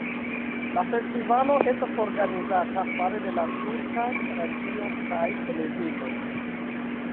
La festivalo estas organizata fare de la Turka Radio kaj Televido.